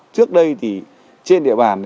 trước đây thì trên địa bàn